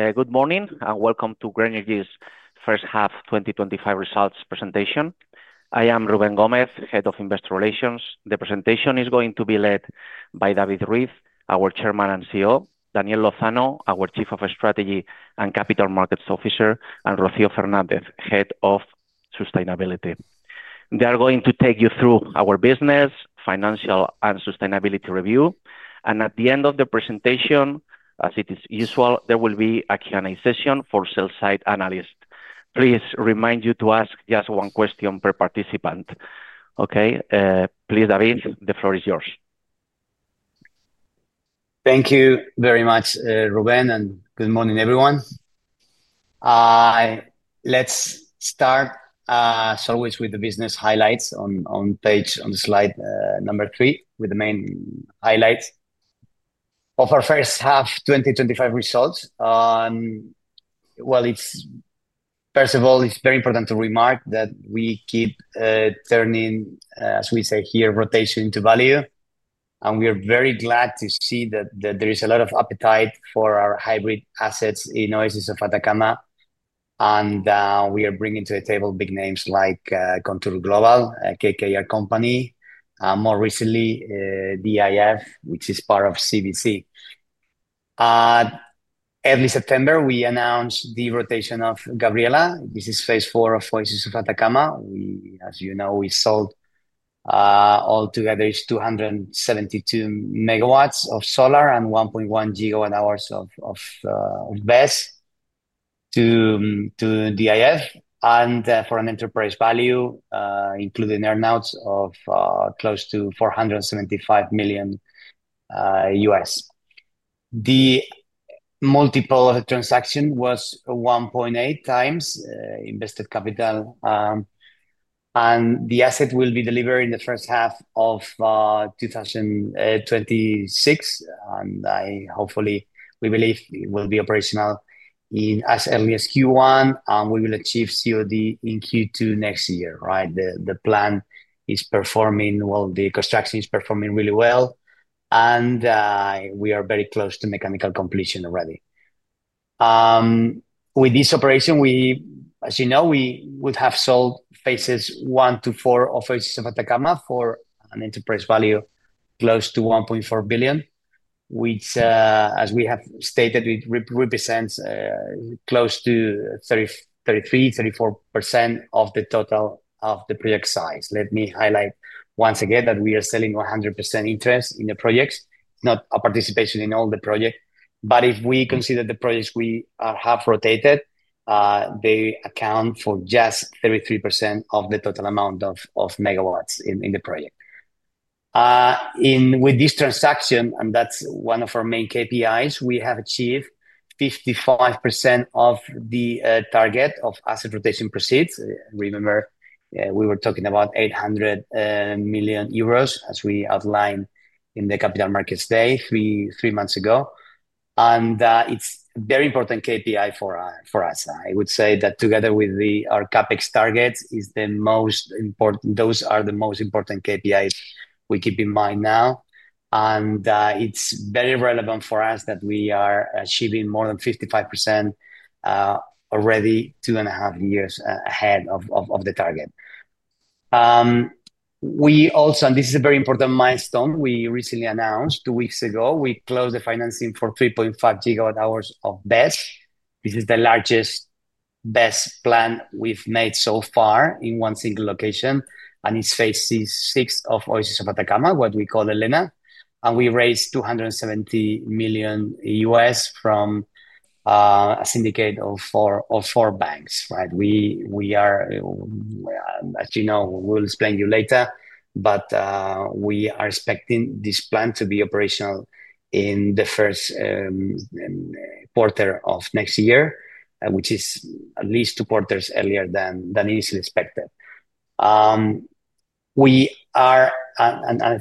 Good morning and welcome to Grenergy Renovables' first half 2025 results presentation. I am Rubén Gómez, Head of Investor Relations. The presentation is going to be led by David Ruiz de Andrés, our Chairman and CEO, Daniel Lozano, our Chief of Strategy and Capital Markets, and Rocío Fernández, Head of Sustainability. They are going to take you through our business, financial, and sustainability review. At the end of the presentation, as is usual, there will be a Q&A session for sell-side analysts. Please remind you to ask just one question per participant. Okay, please, David, the floor is yours. Thank you very much, Rubén, and good morning, everyone. Let's start, as always, with the business highlights on slide number three, with the main highlights of our first half 2025 results. First of all, it's very important to remark that we keep turning, as we say here, rotation into value. We are very glad to see that there is a lot of appetite for our hybrid assets in Oasis of Atacama. We are bringing to the table big names like ContourGlobal, a KKR company, and more recently DIF, which is part of CBC. Early September, we announced the rotation of Gabriela. This is phase four of Oasis of Atacama. As you know, we sold all together 272 megawatts of solar and 1.1 gigawatt hours of BES to DIF for an enterprise value, including earnouts, of close to $475 million. The multiple transaction was 1.8 times invested capital. The asset will be delivered in the first half of 2026. Hopefully, we believe it will be operational as early as Q1, and we will achieve COD in Q2 next year. The plan is performing well, the construction is performing really well, and we are very close to mechanical completion already. With this operation, as you know, we would have sold phases one to four of Oasis of Atacama for an enterprise value close to $1.4 billion, which, as we have stated, represents close to 33% to 34% of the total of the project size. Let me highlight once again that we are selling 100% interest in the projects, not a participation in all the projects. If we consider the projects we have rotated, they account for just 33% of the total amount of megawatts in the project. With this transaction, and that's one of our main KPIs, we have achieved 55% of the target of asset rotation proceeds. Remember, we were talking about €800 million, as we outlined in the Capital Markets Day three months ago. It's a very important KPI for us. I would say that together with our CapEx targets, those are the most important KPIs we keep in mind now. It's very relevant for us that we are achieving more than 55% already two and a half years ahead of the target. We also, and this is a very important milestone, recently announced two weeks ago, we closed the financing for 3.5 gigawatt hours of BES. This is the largest BES plan we've made so far in one single location, and it's phase six of Oasis of Atacama, what we call Elena. We raised $270 million from a syndicate of four banks. We are, as you know, we'll explain to you later, but we are expecting this plan to be operational in the first quarter of next year, which is at least two quarters earlier than initially expected. I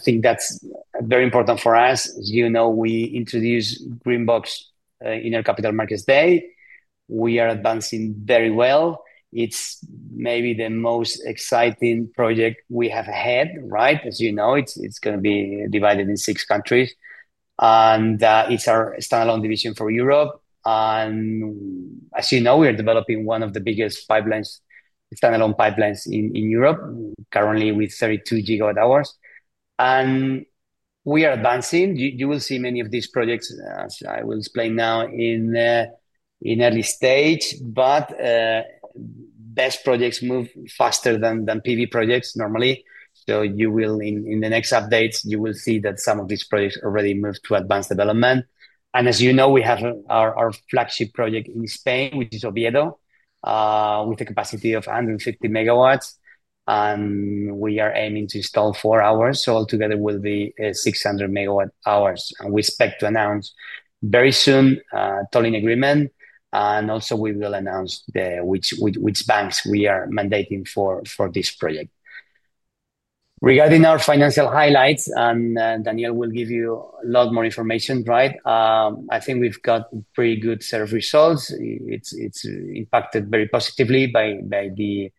think that's very important for us. You know, we introduced Greenbox in our Capital Markets Day. We are advancing very well. It's maybe the most exciting project we have ahead, right? As you know, it's going to be divided in six countries. It's our standalone division for Europe. As you know, we are developing one of the biggest standalone pipelines in Europe, currently with 32 gigawatt hours. We are advancing. You will see many of these projects, as I will explain now, in early stage. BES projects move faster than PV projects normally. In the next updates, you will see that some of these projects already move to advanced development. As you know, we have our flagship project in Spain, which is Oviedo, with a capacity of 150 megawatts. We are aiming to install four hours. Altogether it will be 600 megawatt hours. We expect to announce very soon a tolling agreement. Also, we will announce which banks we are mandating for this project. Regarding our financial highlights, Daniel will give you a lot more information, right? I think we've got pretty good service results. It's impacted very positively by the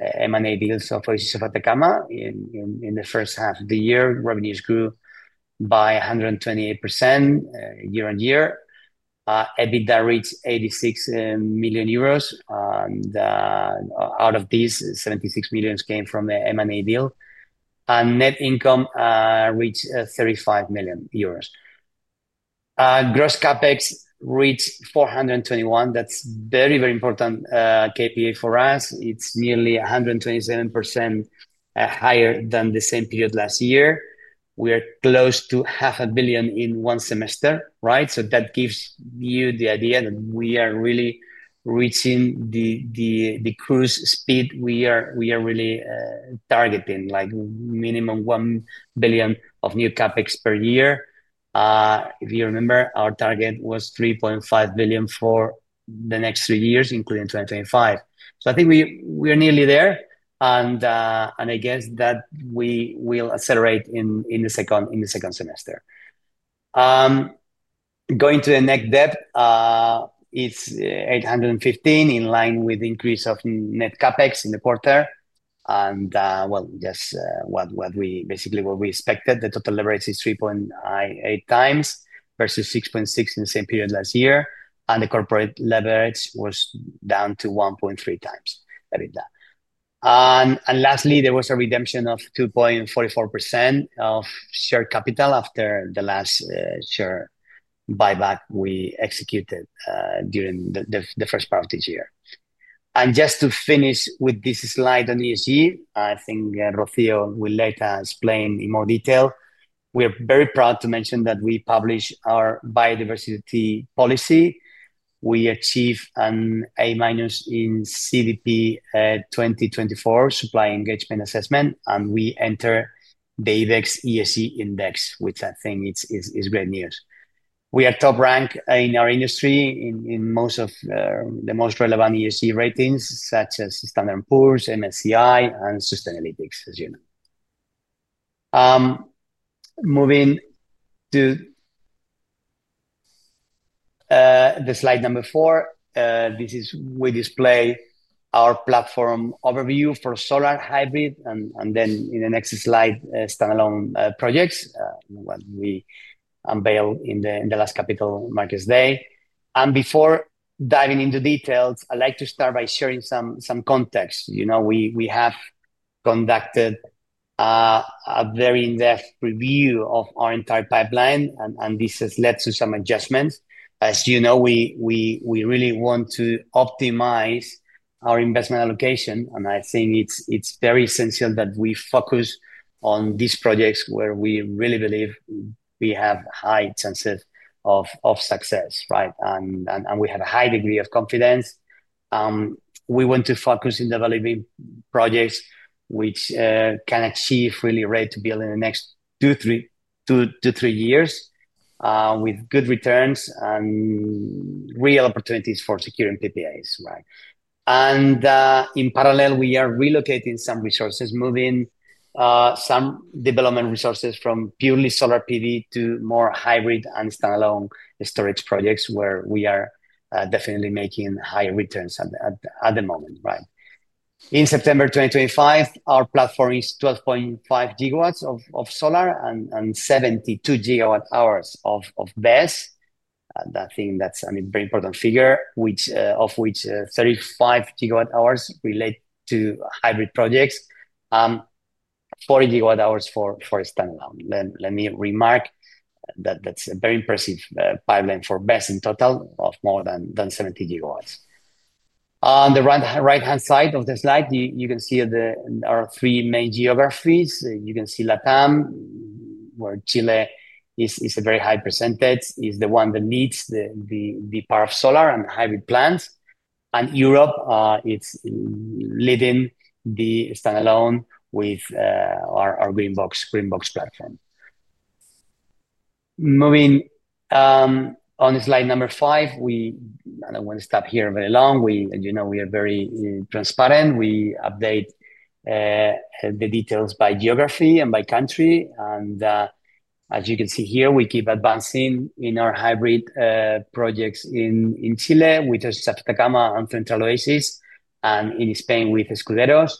M&A deals of Oasis of Atacama. In the first half of the year, revenues grew by 128% year on year. EBITDA reached €86 million. Out of this, €76 million came from the M&A deal. Net income reached €35 million. Gross CapEx reached €421 million. That's a very, very important KPI for us. It's nearly 127% higher than the same period last year. We are close to half a billion in one semester, right? That gives you the idea that we are really reaching the cruise speed we are really targeting, like minimum €1 billion of new CapEx per year. If you remember, our target was €3.5 billion for the next three years, including 2025. I think we are nearly there. I guess that we will accelerate in the second semester. Going to the net debt, it's €815 million in line with the increase of net CapEx in the quarter. That's just what we basically expected. The total leverage is 3.8 times versus 6.6 in the same period last year. The corporate leverage was down to 1.3 times. Lastly, there was a redemption of 2.44% of share capital after the last share buyback we executed during the first part of this year. Just to finish with this slide on ESG, I think Rocío will later explain in more detail. We are very proud to mention that we published our biodiversity policy. We achieved an A- in CDP 2024 Supply Engagement Assessment. We entered the EBEX ESG Index, which I think is great news. We are top ranked in our industry in most of the most relevant ESG ratings, such as S&P, MSCI, and Sustainalytics, as you know. Moving to slide number four, this is where we display our platform overview for solar, hybrid, and then in the next slide, standalone projects, what we unveiled in the last Capital Markets Day. Before diving into details, I'd like to start by sharing some context. You know, we have conducted a very in-depth review of our entire pipeline. This has led to some adjustments. As you know, we really want to optimize our investment allocation. I think it's very essential that we focus on these projects where we really believe we have high chances of success, right? We have a high degree of confidence. We want to focus on developing projects which can achieve really ready to build in the next two to three years with good returns and real opportunities for securing PPAs, right? In parallel, we are relocating some resources, moving some development resources from purely solar PV to more hybrid and standalone storage projects where we are definitely making high returns at the moment, right? In September 2025, our platform is 12.5 gigawatts of solar and 72 gigawatt hours of BES. I think that's a very important figure, of which 35 gigawatt hours relate to hybrid projects, 40 gigawatt hours for standalone. Let me remark that that's a very impressive pipeline for BES in total of more than 70 gigawatt hours. On the right-hand side of the slide, you can see our three main geographies. You can see Latin America, where Chile is a very high %, is the one that leads the power of solar and hybrid plants. Europe is leading the standalone with our Greenbox platform. Moving on to slide number five, we don't want to stop here very long. As you know, we are very transparent. We update the details by geography and by country. As you can see here, we keep advancing in our hybrid projects in Chile with Oasis of Atacama and Frontal Oasis, and in Spain with Escuderos.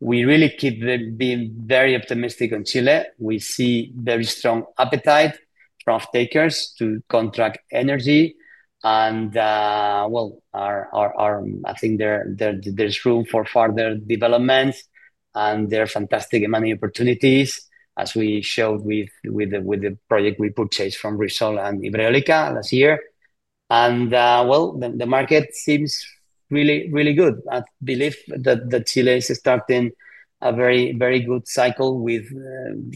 We really keep being very optimistic on Chile. We see very strong appetite from stakeholders to contract energy. I think there's room for further developments. There are fantastic money opportunities, as we showed with the project we purchased from Repsol and Ibereolica last year. The market seems really, really good. I believe that Chile is starting a very, very good cycle with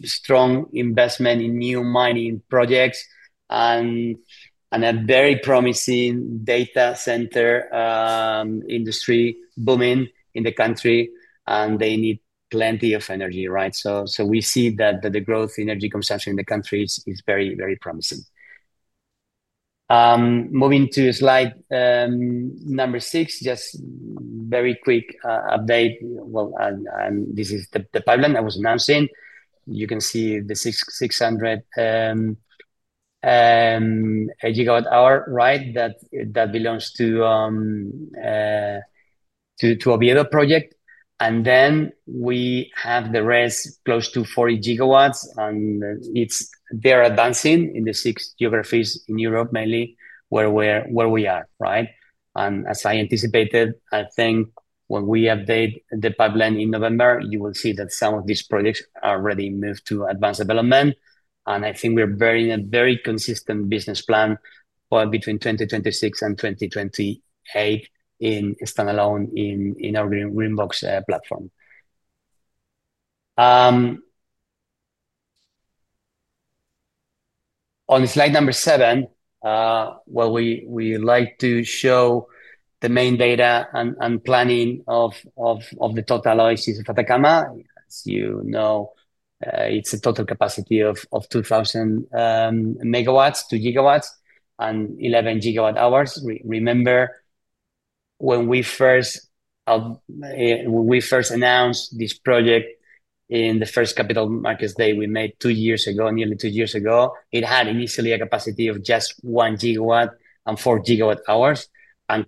strong investment in new mining projects and a very promising data center industry booming in the country. They need plenty of energy, right? We see that the growth in energy consumption in the country is very, very promising. Moving to slide number six, just a very quick update. This is the pipeline I was announcing. You can see the 600 gigawatt hour, right? That belongs to the Oviedo project. Then we have the rest close to 40 gigawatts, and they're advancing in the six geographies in Europe, mainly where we are, right? As I anticipated, I think when we update the pipeline in November, you will see that some of these projects are ready to move to advanced development. I think we're in a very consistent business plan for between 2026 and 2028 in standalone in our Greenbox platform. On slide number seven, we like to show the main data and planning of the total Oasis of Atacama. As you know, it's a total capacity of 2,000 megawatts, 2 gigawatts, and 11 gigawatt hours. Remember, when we first announced this project in the first Capital Markets Day we made nearly two years ago, it had initially a capacity of just 1 gigawatt and 4 gigawatt hours.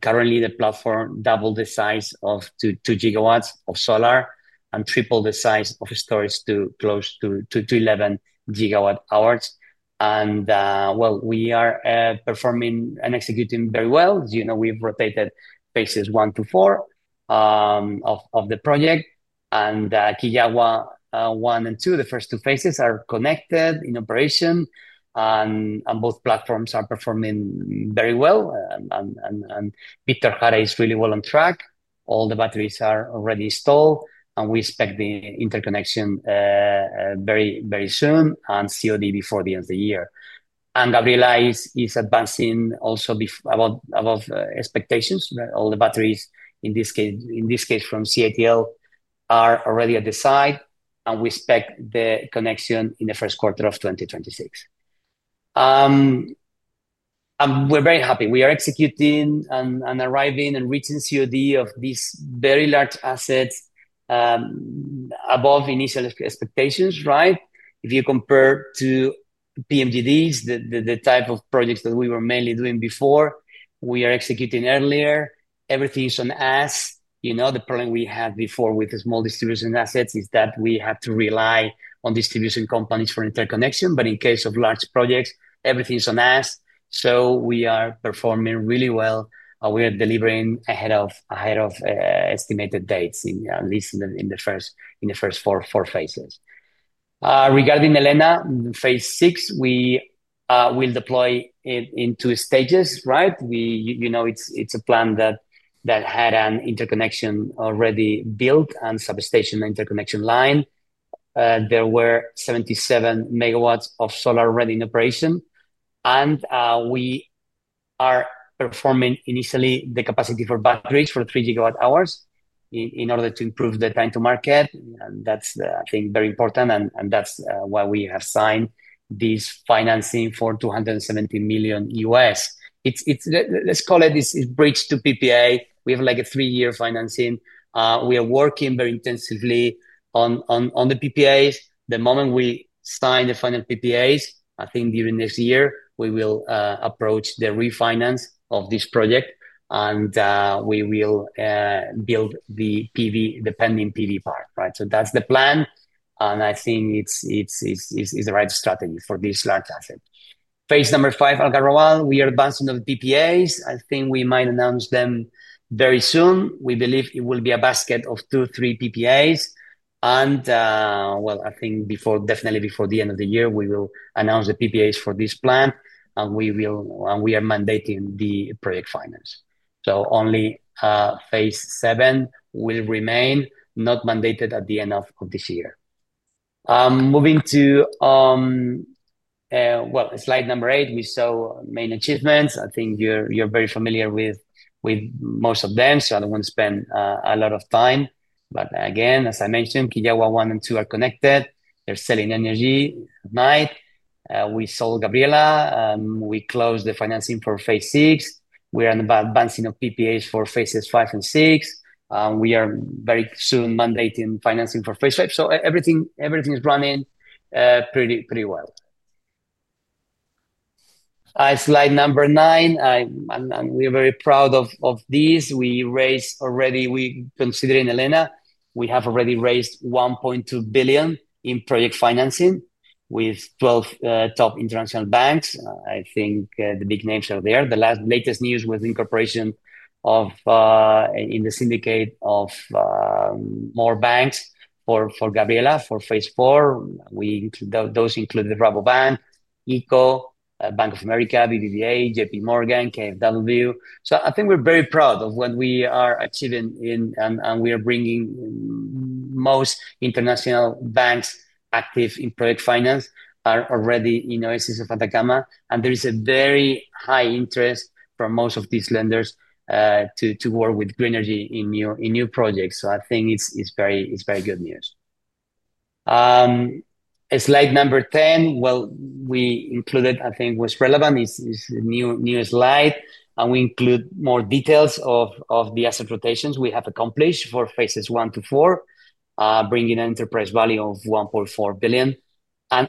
Currently, the platform doubled the size to 2 gigawatts of solar and tripled the size of storage to close to 11 gigawatt hours. We are performing and executing very well. We've rotated phases one to four of the project. Kigawa one and two, the first two phases, are connected in operation, and both platforms are performing very well. Pictor Hara is really well on track. All the batteries are already installed, and we expect the interconnection very, very soon and COD before the end of the year. Gabriela is advancing also above expectations. All the batteries, in this case from CATL, are already at the site, and we expect the connection in the first quarter of 2026. We're very happy. We are executing and arriving and reaching COD of these very large assets above initial expectations, right? If you compare to PMDDs, the type of projects that we were mainly doing before, we are executing earlier. Everything is on us. The problem we had before with the small distribution assets is that we had to rely on distribution companies for interconnection. In case of large projects, everything is on us. We are performing really well. We are delivering ahead of estimated dates, at least in the first four phases. Regarding Elena, phase six, we will deploy it in two stages, right? You know, it's a plan that had an interconnection already built and substation interconnection line. There were 77 megawatts of solar already in operation. We are performing initially the capacity for batteries for 3 gigawatt hours in order to improve the time to market. That's, I think, very important. That's why we have signed this financing for $270 million. Let's call it this bridge to PPA. We have like a three-year financing. We are working very intensively on the PPAs. The moment we sign the final PPAs, I think during this year, we will approach the refinance of this project. We will build the depending PV part, right? That's the plan. I think it's the right strategy for this large asset. Phase number five, Algarroal, we are advancing on the PPAs. I think we might announce them very soon. We believe it will be a basket of two or three PPAs. I think definitely before the end of the year, we will announce the PPAs for this plan. We are mandating the project finance. Only phase seven will remain not mandated at the end of this year. Moving to slide number eight, we saw main achievements. I think you're very familiar with most of them. I don't want to spend a lot of time. Again, as I mentioned, Kigawa one and two are connected. They're selling energy at night. We sold Gabriela. We closed the financing for phase six. We are advancing on PPAs for phases five and six. We are very soon mandating financing for phase five. Everything is running pretty well. Slide number nine. We're very proud of this. We raised already, considering Elena, we have already raised $1.2 billion in project financing with 12 top international banks. I think the big names are there. The latest news was the incorporation in the syndicate of more banks for Gabriela for phase four. Those include Rabobank, EIB, Bank of America, BBVA, JP Morgan, KFW. I think we're very proud of what we are achieving. We are bringing most international banks active in project finance are already in Oasis of Atacama. There is a very high interest from most of these lenders to work with Greenergy in new projects. I think it's very good news. Slide number 10. We included, I think, what's relevant. It's the newest slide, and we include more details of the asset rotations we have accomplished for phases one to four, bringing an enterprise value of $1.4 billion.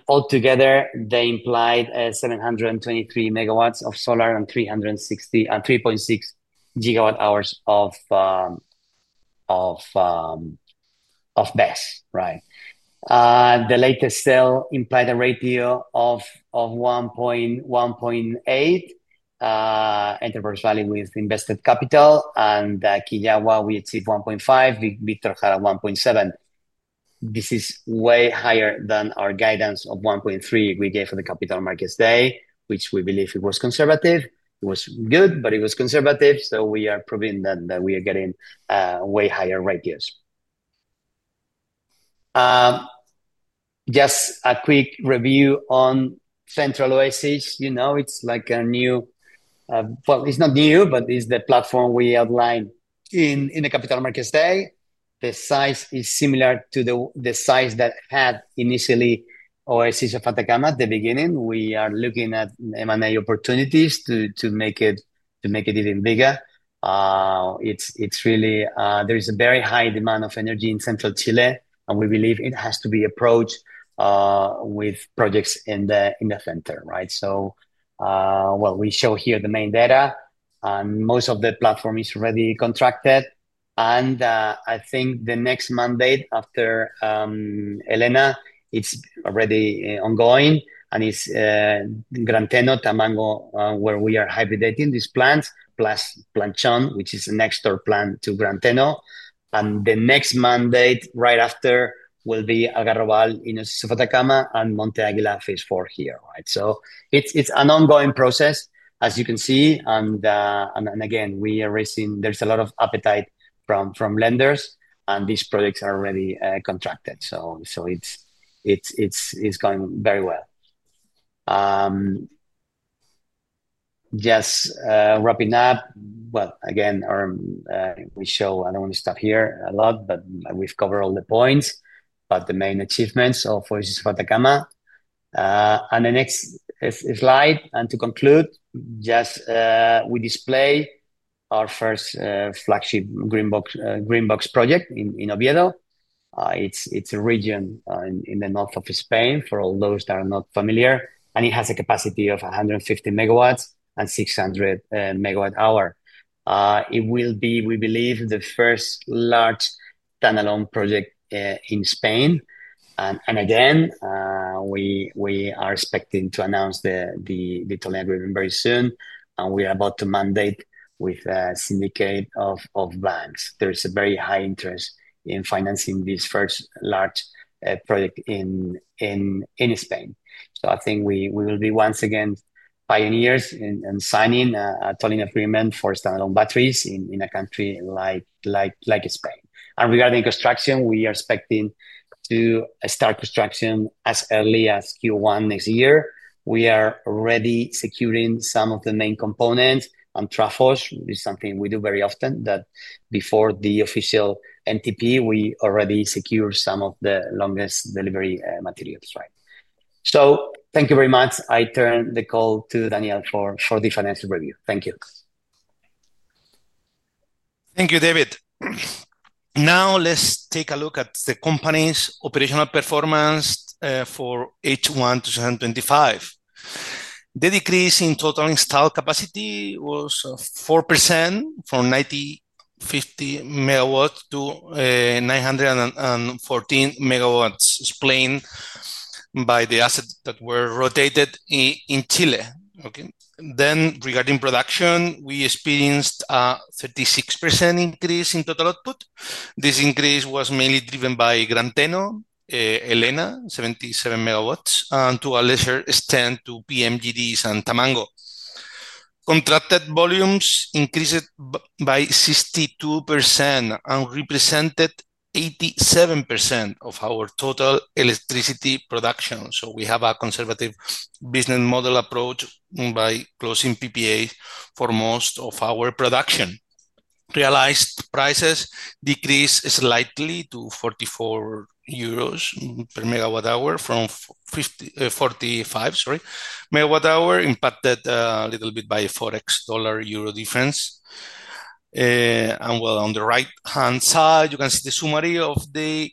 Altogether, they implied 723 megawatts of solar and 3.6 gigawatt hours of BES, right? The latest sale implied a ratio of 1.8 enterprise value with invested capital. In Kigawa, we achieved 1.5. Victor had a 1.7. This is way higher than our guidance of 1.3 we gave for the Capital Markets Day, which we believe was conservative. It was good, but it was conservative. We are proving that we are getting way higher ratios. Just a quick review on Central Oasis. It's like a new, well, it's not new, but it's the platform we outlined in the Capital Markets Day. The size is similar to the size that had initially Oasis of Atacama at the beginning. We are looking at M&A opportunities to make it even bigger. There is a very high demand of energy in central Chile, and we believe it has to be approached with projects in the center, right? We show here the main data, and most of the platform is already contracted. I think the next mandate after Elena is already ongoing, and it's Gran Teno Tamango, where we are hybridating these plants, plus Planchon, which is a next door plant to Gran Teno. The next mandate right after will be Algarroal in Oasis of Atacama and Monte Aguila phase four here, right? It's an ongoing process, as you can see. Again, we are raising, there's a lot of appetite from lenders, and these projects are already contracted. It's going very well. Just wrapping up. Again, we show, I don't want to stop here a lot, but we've covered all the points about the main achievements of Oasis of Atacama. The next slide, and to conclude, we display our first flagship Greenbox project in Oviedo. It's a region in the north of Spain for all those that are not familiar, and it has a capacity of 150 megawatts and 600 megawatt hours. It will be, we believe, the first large standalone project in Spain. Again, we are expecting to announce the tolling agreement very soon, and we are about to mandate with a syndicate of banks. There is a very high interest in financing this first large project in Spain. I think we will be once again pioneers in signing a tolling agreement for standalone batteries in a country like Spain. Regarding construction, we are expecting to start construction as early as Q1 next year. We are already securing some of the main components on traffos. This is something we do very often, that before the official MTP, we already secure some of the longest delivery materials, right? Thank you very much. I turn the call to Daniel for the financial review. Thank you. Thank you, David. Now let's take a look at the company's operational performance for Q1 2025. The decrease in total installed capacity was 4% from 950 megawatts to 914 megawatts, explained by the assets that were rotated in Chile. Regarding production, we experienced a 36% increase in total output. This increase was mainly driven by Gran Teno Elena, 77 megawatts, and to a lesser extent to PMGDs and Tamango. Contracted volumes increased by 62% and represented 87% of our total electricity production. We have a conservative business model approach by closing PPAs for most of our production. Realized prices decreased slightly to €44 per megawatt hour from €45 per megawatt hour, impacted a little bit by Forex dollar euro difference. On the right-hand side, you can see the summary of the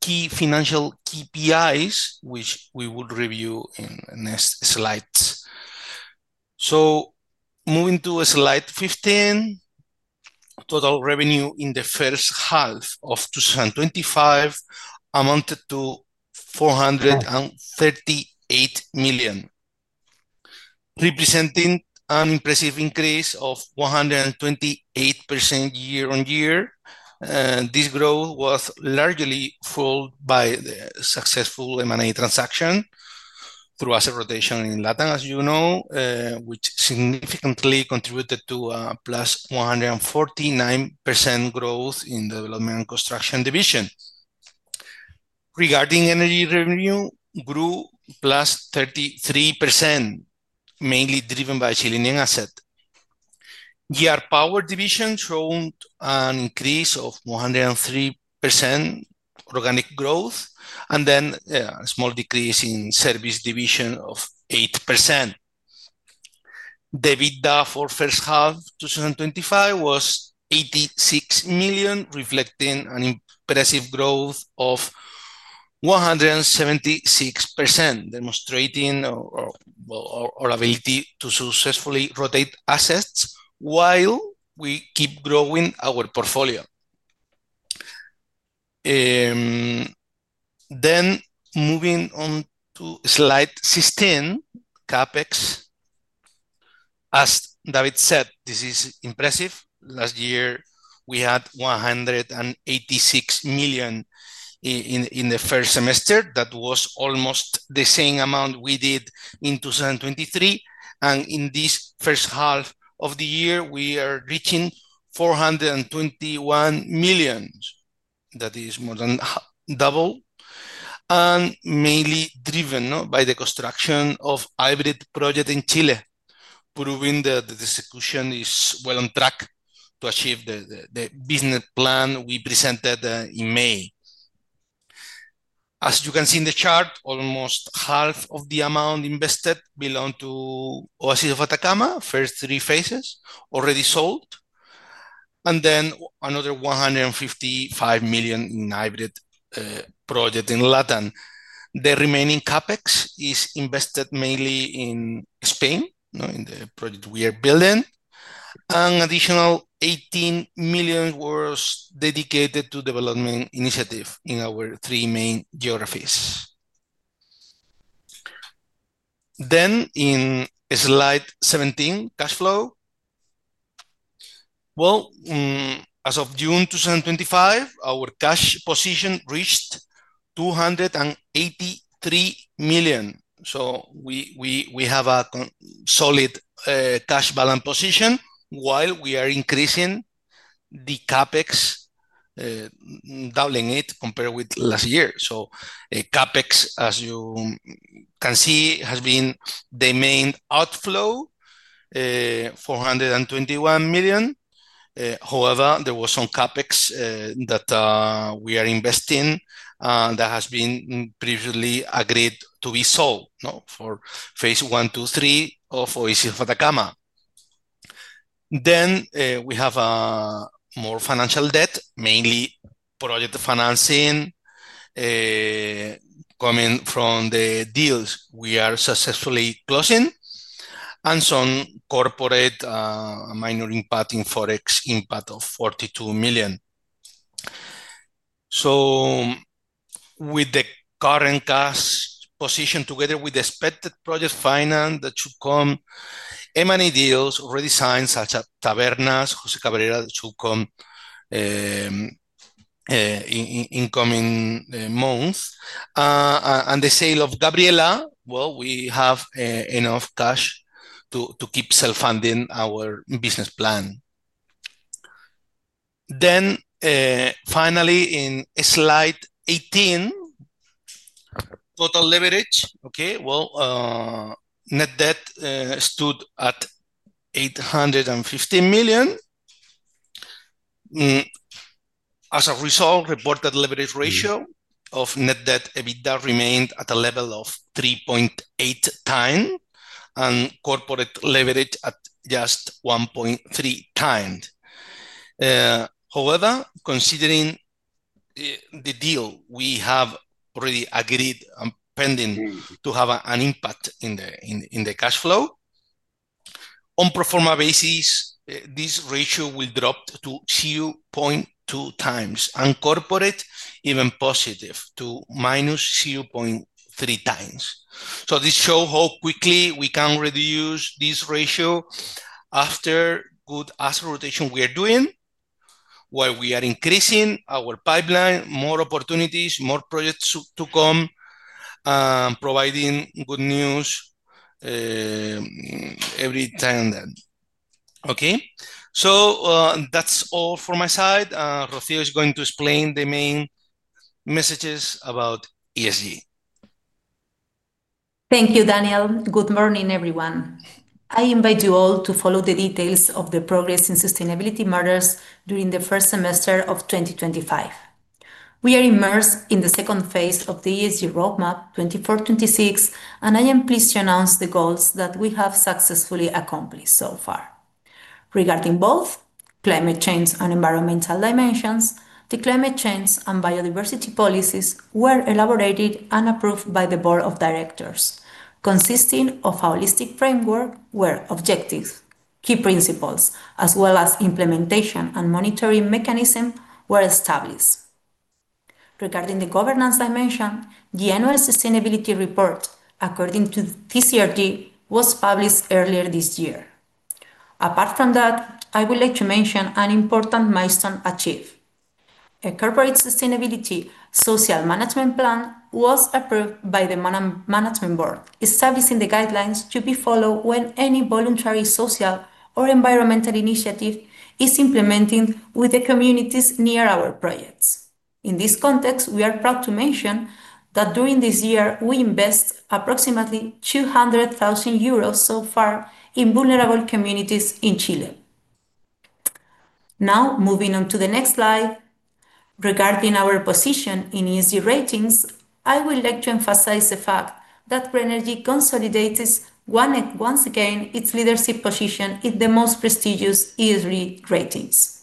key financial KPIs, which we will review in the next slide. Moving to slide 15, total revenue in the first half of 2025 amounted to €438 million, representing an impressive increase of 128% year on year. This growth was largely fueled by the successful M&A transaction through asset rotation in Latin America, as you know, which significantly contributed to a plus 149% growth in the development and construction division. Regarding energy revenue, it grew plus 33%, mainly driven by Chilean assets. The power division showed an increase of 103% organic growth and a small decrease in service division of 8%. The EBITDA for the first half of 2025 was €86 million, reflecting an impressive growth of 176%, demonstrating our ability to successfully rotate assets while we keep growing our portfolio. Moving on to slide 16, CapEx. As David said, this is impressive. Last year, we had €186 million in the first semester. That was almost the same amount we did in 2023. In this first half of the year, we are reaching €421 million. That is more than double and mainly driven by the construction of hybrid projects in Chile, proving that the execution is well on track to achieve the business plan we presented in May. As you can see in the chart, almost half of the amount invested belonged to Oasis of Atacama, first three phases, already sold, and another €155 million in hybrid projects in Latin America. The remaining CapEx is invested mainly in Spain, in the project we are building. An additional €18 million was dedicated to development initiatives in our three main geographies. In slide 17, cash flow, as of June 2025, our cash position reached €283 million. We have a solid cash balance position while we are increasing the CapEx, doubling it compared with last year. CapEx, as you can see, has been the main outflow, $421 million. However, there was some CapEx that we are investing that has been previously agreed to be sold for phase one, two, three of Oasis of Atacama. We have more financial debt, mainly project financing coming from the deals we are successfully closing and some corporate minor impact in Forex impact of $42 million. With the current cash position, together with the expected project finance that should come, M&A deals already signed, such as Tabernas, Jose Cabrera, that should come in the coming months, and the sale of Gabriela, we have enough cash to keep self-funding our business plan. Finally, in slide 18, total leverage, net debt stood at $815 million. As a result, reported leverage ratio of net debt/EBITDA remained at a level of 3.8 times and corporate leverage at just 1.3 times. However, considering the deal we have already agreed and pending to have an impact in the cash flow, on a pro forma basis, this ratio will drop to 0.2 times and corporate even positive to minus 0.3 times. This shows how quickly we can reduce this ratio after good asset rotation we are doing, while we are increasing our pipeline, more opportunities, more projects to come, providing good news every time. That's all from my side. Rocío is going to explain the main messages about ESG. Thank you, Daniel. Good morning, everyone. I invite you all to follow the details of the progress in sustainability matters during the first semester of 2025. We are immersed in the second phase of the ESG roadmap 24-26, and I am pleased to announce the goals that we have successfully accomplished so far. Regarding both climate change and environmental dimensions, the climate change and biodiversity policies were elaborated and approved by the Board of Directors, consisting of a holistic framework where objectives, key principles, as well as implementation and monitoring mechanisms were established. Regarding the governance dimension, the annual sustainability report, according to TCRD, was published earlier this year. Apart from that, I would like to mention an important milestone achieved. A corporate sustainability social management plan was approved by the Management Board, establishing the guidelines to be followed when any voluntary social or environmental initiative is implemented with the communities near our projects. In this context, we are proud to mention that during this year, we invest approximately €200,000 so far in vulnerable communities in Chile. Now, moving on to the next slide, regarding our position in ESG ratings, I would like to emphasize the fact that Greenergy consolidates once again its leadership position in the most prestigious ESG ratings.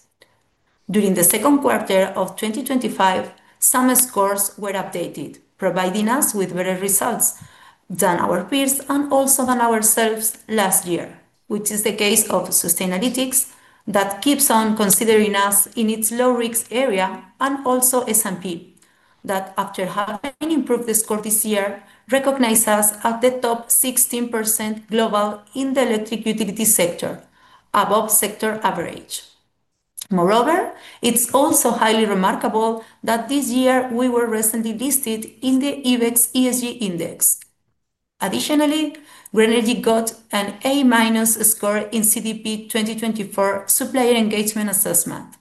During the second quarter of 2025, some scores were updated, providing us with better results than our peers and also than ourselves last year, which is the case of Sustainalytics that keeps on considering us in its low-risk area and also S&P that, after half an improved score this year, recognizes us at the top 16% global in the electric utility sector, above sector average. Moreover, it's also highly remarkable that this year we were recently listed in the EBEX ESG Index. Additionally, Greenergy got an A- score in CDP 2024 Supplier Engagement Assessment.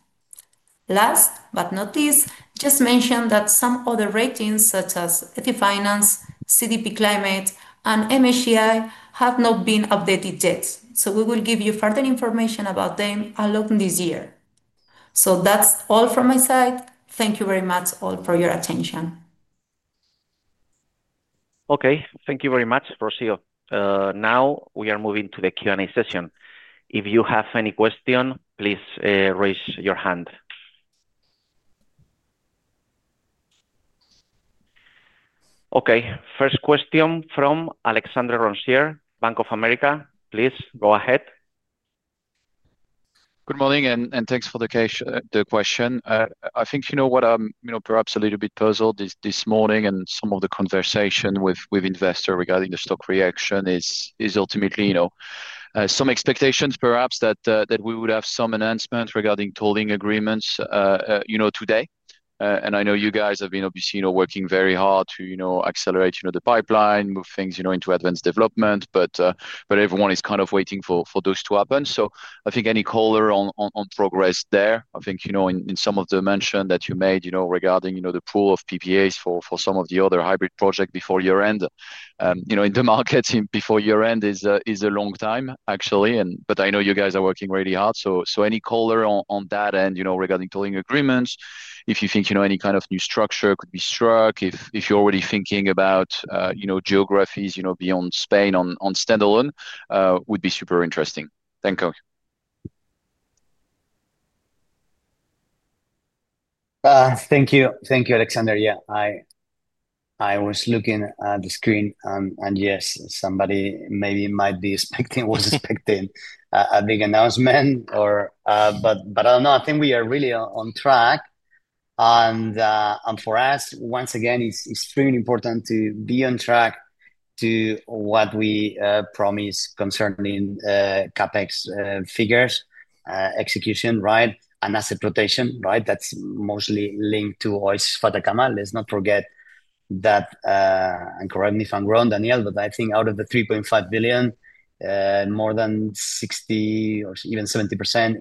Last but not least, just mention that some other ratings, such as ETI Finance, CDP Climate, and MSCI, have not been updated yet. We will give you further information about them along this year. That's all from my side. Thank you very much all for your attention. Okay, thank you very much, Rocío. Now we are moving to the Q&A session. If you have any questions, please raise your hand. First question from Alexandre Roncier, Bank of America. Please go ahead. Good morning and thanks for the question. I think what I'm perhaps a little bit puzzled this morning and some of the conversation with investors regarding the stock reaction is ultimately some expectations perhaps that we would have some announcements regarding tolling agreements today. I know you guys have been obviously working very hard to accelerate the pipeline, move things into advanced development. Everyone is kind of waiting for those to happen. I think any color on progress there, in some of the mentions that you made regarding the pool of PPAs for some of the other hybrid projects before year-end. In the market before year-end is a long time, actually. I know you guys are working really hard. Any color on that end regarding tolling agreements, if you think any kind of new structure could be struck, if you're already thinking about geographies beyond Spain on standalone, would be super interesting. Thank you. Thank you. Thank you, Alessandro. Yeah, I was looking at the screen. Yes, somebody maybe might be expecting a big announcement. I don't know. I think we are really on track. For us, once again, it's extremely important to be on track to what we promised concerning CapEx figures, execution, and asset rotation. That's mostly linked to Oasis of Atacama. Let's not forget that, and correct me if I'm wrong, Daniel, but I think out of the $3.5 billion, more than 60% or even 70%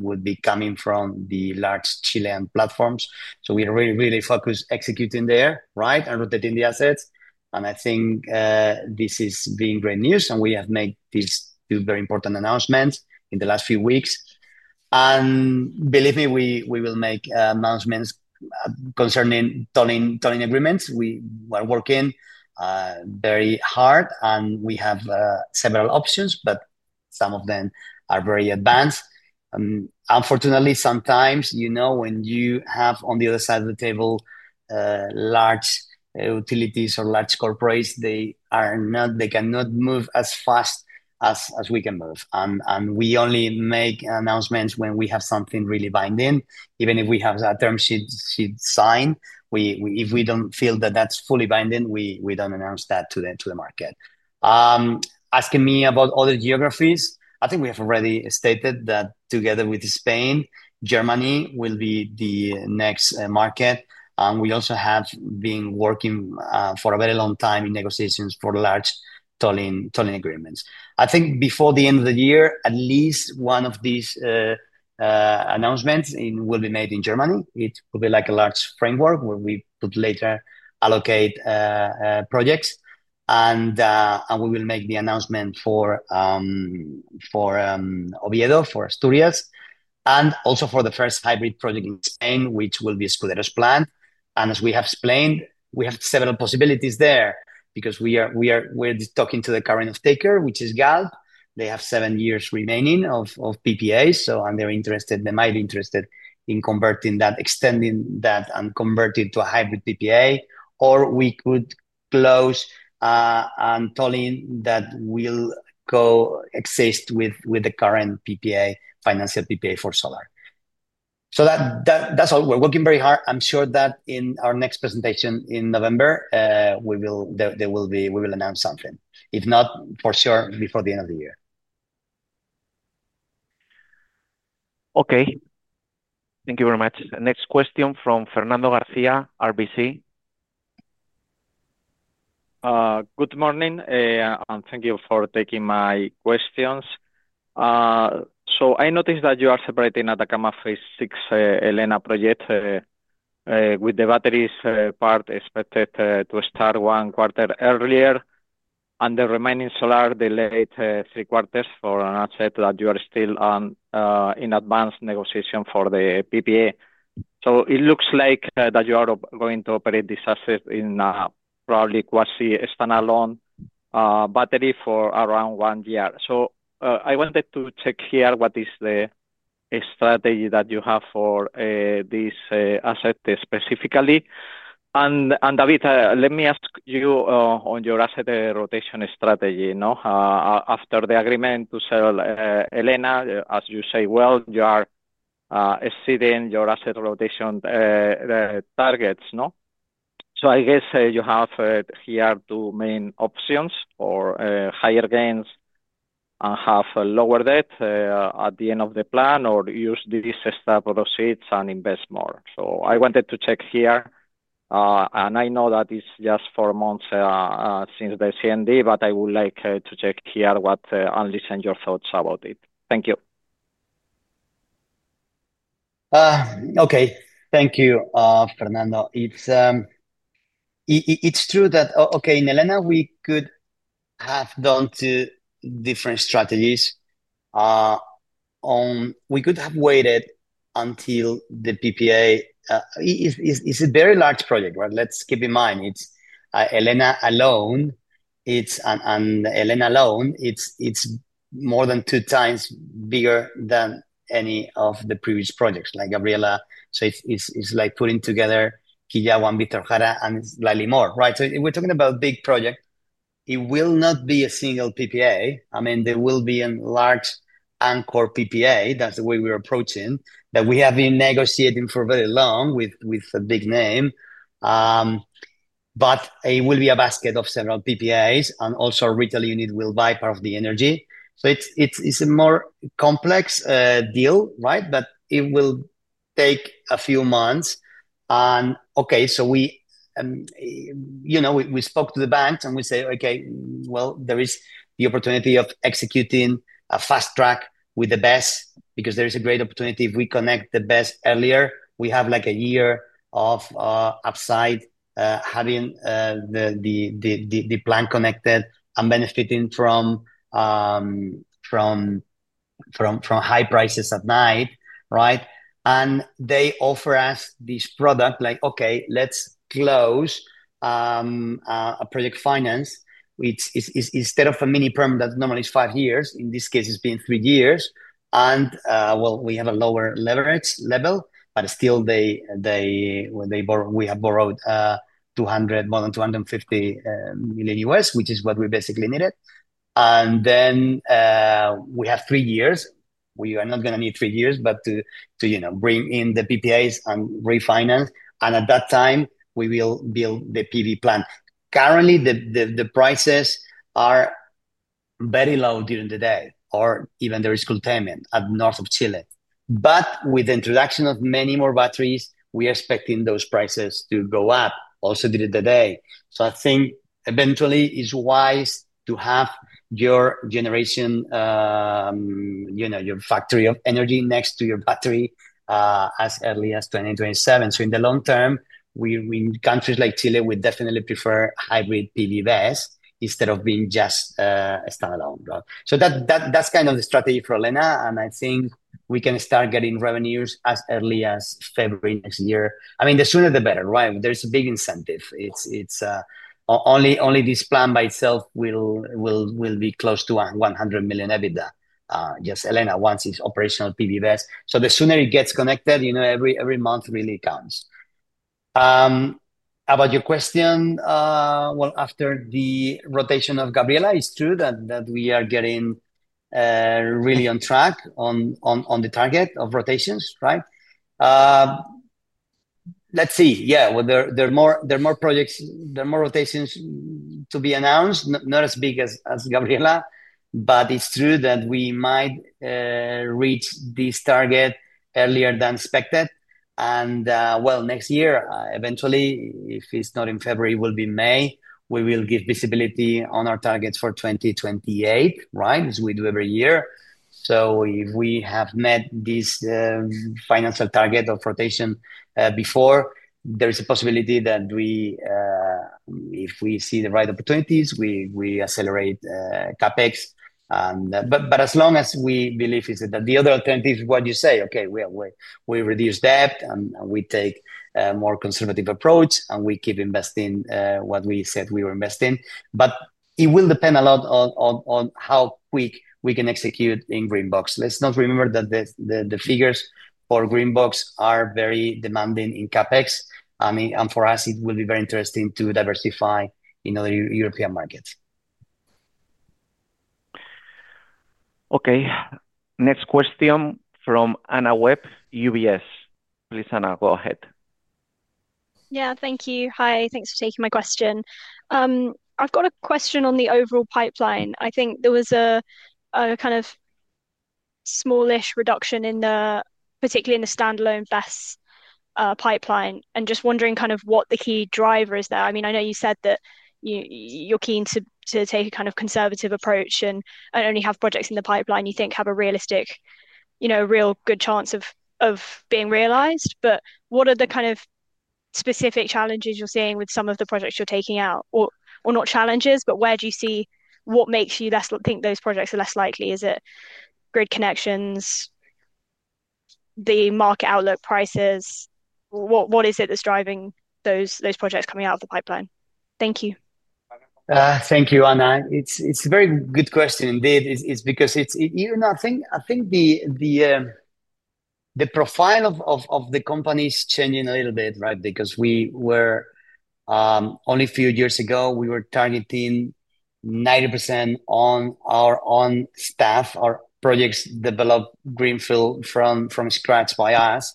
would be coming from the large Chilean platforms. We are really focused executing there and rotating the assets. I think this is being great news. We have made these two very important announcements in the last few weeks. Believe me, we will make announcements concerning tolling agreements. We are working very hard. We have several options, but some of them are very advanced. Unfortunately, sometimes, when you have on the other side of the table large utilities or large corporations, they cannot move as fast as we can move. We only make announcements when we have something really binding. Even if we have a term sheet signed, if we don't feel that that's fully binding, we don't announce that to the market. Asking me about other geographies, I think we have already stated that together with Spain, Germany will be the next market. We also have been working for a very long time in negotiations for large tolling agreements. I think before the end of the year, at least one of these announcements will be made in Germany. It will be like a large framework where we could later allocate projects. We will make the announcement for Oviedo, for Asturias, and also for the first hybrid project in Spain, which will be the Escuderos plan. As we have explained, we have several possibilities there because we are talking to the current staker, which is GAL. They have seven years remaining of PPA. They're interested. They might be interested in converting that, extending that, and converting to a hybrid PPA. We could close a tolling that will coexist with the current PPA, financial PPA for solar. That's all. We're working very hard. I'm sure that in our next presentation in November, we will announce something. If not, for sure, before the end of the year. Okay. Thank you very much. Next question from Fernando García, RBC. Good morning. Thank you for taking my questions. I noticed that you are separating Atacama phase six Elena project, with the batteries part expected to start one quarter earlier, and the remaining solar, the late three quarters, for an asset that you are still in advanced negotiation for the PPA. It looks like you are going to operate this asset in a probably quasi-standalone battery for around one year. I wanted to check here what is the strategy that you have for this asset specifically. David, let me ask you on your asset rotation strategy. After the agreement to sell Elena, as you say, you are exceeding your asset rotation targets. I guess you have here two main options for higher gains and have lower debt at the end of the plan, or use this stack of proceeds and invest more. I wanted to check here. I know that it's just four months since the CND, but I would like to check here what and listen to your thoughts about it. Thank you. Okay. Thank you, Fernando. It's true that, okay, in Elena, we could have gone to different strategies. We could have waited until the PPA. It's a very large project, right? Let's keep in mind, it's Elena alone. It's an Elena alone. It's more than two times bigger than any of the previous projects like Gabriela. It's like putting together Kigawa, Victor Jara, and slightly more, right? We're talking about a big project. It will not be a single PPA. I mean, there will be a large anchor PPA. That's the way we're approaching that we have been negotiating for very long with a big name. It will be a basket of several PPAs. Also, a retail unit will buy part of the energy. It's a more complex deal, right? It will take a few months. We spoke to the banks and we say, okay, well, there is the opportunity of executing a fast track with the BES because there is a great opportunity if we connect the BES earlier. We have like a year of upside having the plan connected and benefiting from high prices at night, right? They offer us this product like, okay, let's close a project finance instead of a mini-perm that normally is five years. In this case, it's been three years. We have a lower leverage level, but still, we have borrowed more than $250 million, which is what we basically needed. We have three years. We are not going to need three years, but to bring in the PPAs and refinance. At that time, we will build the PV plant. Currently, the prices are very low during the day, or even there is cool payment at the north of Chile. With the introduction of many more batteries, we are expecting those prices to go up also during the day. I think eventually, it's wise to have your generation, you know, your factory of energy next to your battery as early as 2027. In the long term, in countries like Chile, we definitely prefer hybrid PV BES instead of being just standalone. That's kind of the strategy for Elena. I think we can start getting revenues as early as February next year. The sooner the better, right? There is a big incentive. It's only this plan by itself will be close to $100 million EBITDA, just Elena, once it's operational PV BES. The sooner it gets connected, you know, every month really counts. About your question, after the rotation of Gabriela, it's true that we are getting really on track on the target of rotations, right? Let's see. Yeah, there are more projects, there are more rotations to be announced, not as big as Gabriela, but it's true that we might reach this target earlier than expected. Next year, eventually, if it's not in February, it will be May. We will give visibility on our targets for 2028, right, as we do every year. If we have met this financial target of rotation before, there is a possibility that we, if we see the right opportunities, we accelerate CapEx. As long as we believe that the other alternative is what you say, okay, we reduce debt and we take a more conservative approach and we keep investing what we said we were investing. It will depend a lot on how quick we can execute in Greenbox. Let's not forget that the figures for Greenbox are very demanding in CapEx. I mean, and for us, it will be very interesting to diversify in other European markets. Okay. Next question from Anna Webb, UBS. Please, Anna, go ahead. Yeah, thank you. Hi, thanks for taking my question. I've got a question on the overall pipeline. I think there was a kind of smallish reduction, particularly in the standalone BES pipeline. I'm just wondering what the key driver is there. I know you said that you're keen to take a kind of conservative approach and only have projects in the pipeline you think have a realistic, a real good chance of being realized. What are the specific challenges you're seeing with some of the projects you're taking out? Or not challenges, but where do you see what makes you think those projects are less likely? Is it grid connections, the market outlook, prices, what is it that's driving those projects coming out of the pipeline? Thank you. Thank you, Anna. It's a very good question indeed. It's because I think the profile of the company is changing a little bit, right? Because we were only a few years ago, we were targeting 90% on our own staff. Our projects developed greenfield from scratch by us.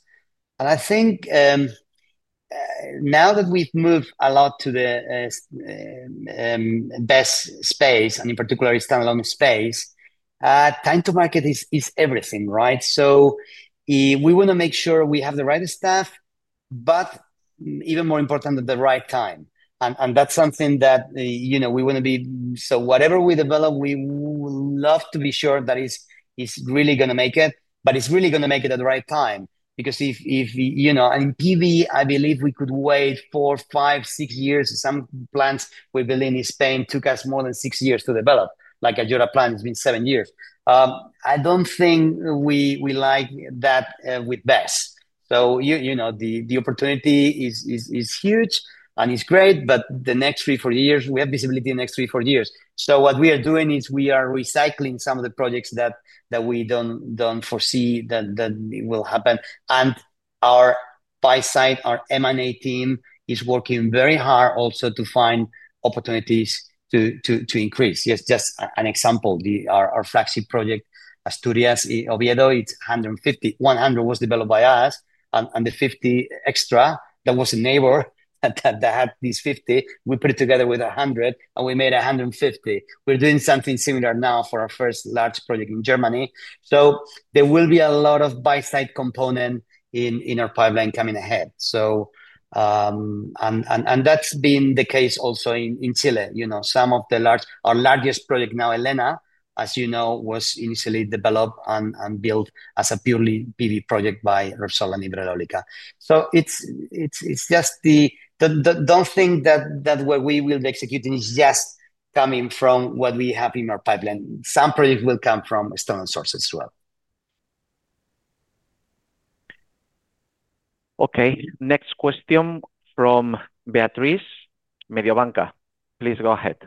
I think now that we've moved a lot to the BES space, in particular, standalone space, time to market is everything, right? We want to make sure we have the right staff, but even more important at the right time. That's something that, you know, we want to be, so whatever we develop, we would love to be sure that it's really going to make it, but it's really going to make it at the right time. Because if, you know, and in PV, I believe we could wait four, five, six years. Some plants we're building in Spain took us more than six years to develop. Like a Jora plant, it's been seven years. I don't think we like that with BES. The opportunity is huge and it's great, but the next three, four years, we have visibility in the next three, four years. What we are doing is we are recycling some of the projects that we don't foresee that will happen. Our buy side, our M&A team is working very hard also to find opportunities to increase. Yes, just an example, our flagship project Asturias, Oviedo, it's 150. 100 was developed by us and the 50 extra that was a neighbor that had these 50. We put it together with 100 and we made 150. We're doing something similar now for our first large project in Germany. There will be a lot of buy-side components in our pipeline coming ahead. That's been the case also in Chile. Some of the large, our largest project now, Elena, as you know, was initially developed and built as a purely PV project by Repsol and Ibereolica Renovables. It's just the, don't think that where we will be executing is just coming from what we have in our pipeline. Some projects will come from external sources as well. Okay. Next question from Beatriz at Mediobanca. Please go ahead.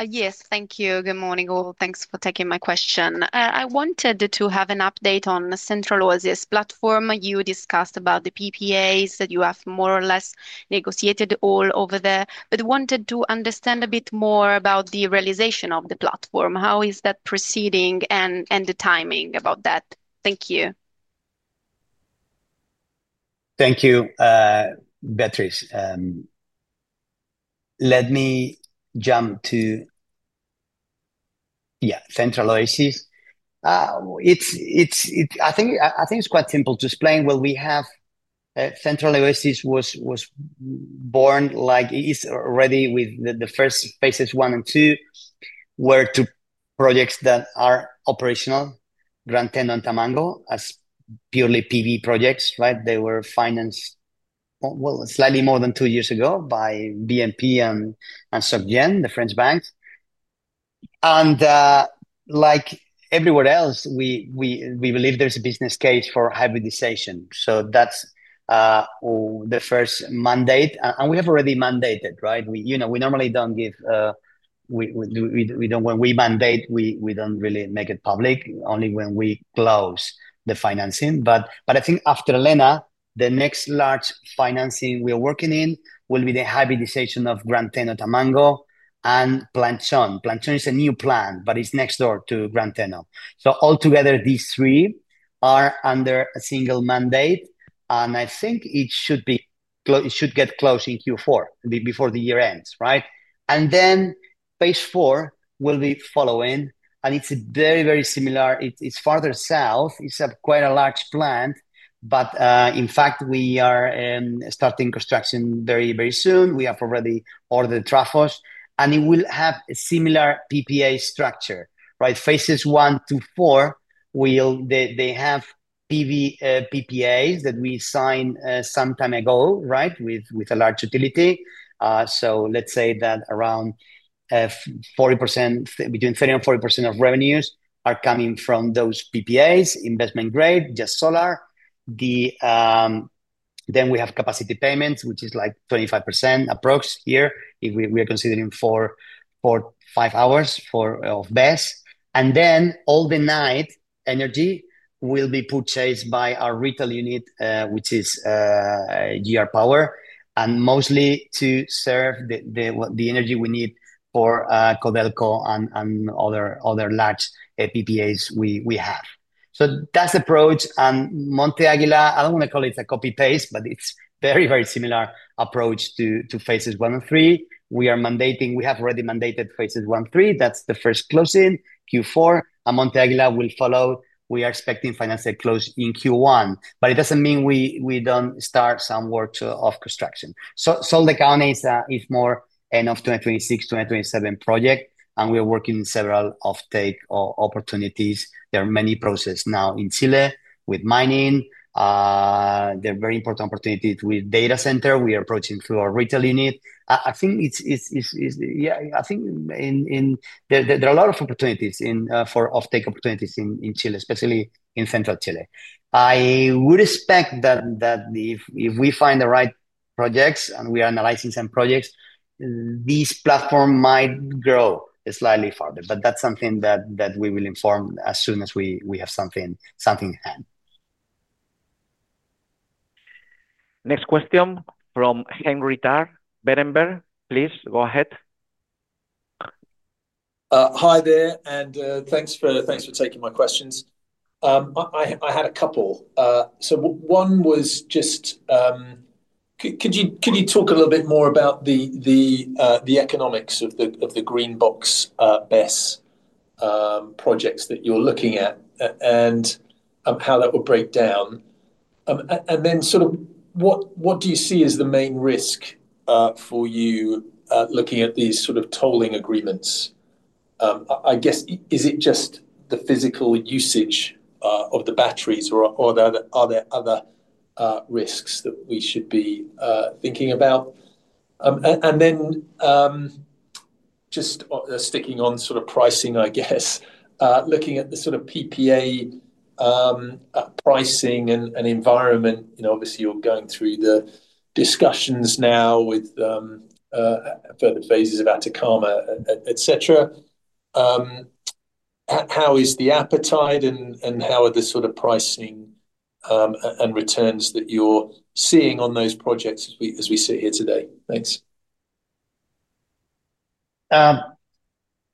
Yes, thank you. Good morning all. Thanks for taking my question. I wanted to have an update on the Oasis of Atacama platform. You discussed about the PPAs that you have more or less negotiated all over there, but wanted to understand a bit more about the realization of the platform. How is that proceeding and the timing about that? Thank you. Thank you, Beatriz. Let me jump to Central Oasis. I think it's quite simple to explain. Central Oasis was born like it's already with the first phases one and two, where two projects that are operational, Gran Teno and Tamango, as purely PV projects, right? They were financed slightly more than two years ago by BNP and SocGen, the French banks. Like everywhere else, we believe there's a business case for hybridization. That's the first mandate. We have already mandated, right? You know, we normally don't give, we don't, when we mandate, we don't really make it public, only when we close the financing. I think after Elena, the next large financing we are working in will be the hybridization of Gran Teno and Tamango and Planchon. Planchon is a new plant, but it's next door to Gran Teno. Altogether, these three are under a single mandate. I think it should be, it should get closed in Q4 before the year ends, right? Phase four will be following. It's very, very similar. It's farther south. It's quite a large plant. In fact, we are starting construction very, very soon. We have already ordered the traffos. It will have a similar PPA structure, right? Phases one, two, four, they have PV PPAs that we signed some time ago, right, with a large utility. Let's say that around 40%, between 30% and 40% of revenues are coming from those PPAs, investment grade, just solar. Then we have capacity payments, which is like 25% approx here. We are considering four, five hours of BES. All the night energy will be purchased by our retail unit, which is GR Power, and mostly to serve the energy we need for Cobelco and other large PPAs we have. That's the approach. Monte Aguila, I don't want to call it a copy-paste, but it's a very, very similar approach to phases one and three. We are mandating, we have already mandated phases one and three. That's the first closing, Q4. Monte Aguila will follow. We are expecting financial close in Q1. It doesn't mean we don't start some work of construction. Soldecano is more end of 2026, 2027 project. We are working on several off-take opportunities. There are many processes now in Chile with mining. There are very important opportunities with data center. We are approaching through our retail unit. I think there are a lot of opportunities for off-take opportunities in Chile, especially in central Chile. I would expect that if we find the right projects and we are analyzing some projects, this platform might grow slightly farther. That's something that we will inform as soon as we have something in hand. Next question from Henry Tarr, Vandenberg. Please go ahead. Hi there, and thanks for taking my questions. I had a couple. One was just, could you talk a little bit more about the economics of the Greenbox BES projects that you're looking at and how that would break down? What do you see as the main risk for you looking at these tolling agreements? I guess, is it just the physical usage of the batteries or are there other risks that we should be thinking about? Just sticking on pricing, I guess, looking at the PPA pricing and environment. Obviously, you're going through the discussions now with further phases of Atacama, etc. How is the appetite and how are the pricing and returns that you're seeing on those projects as we sit here today? Thanks.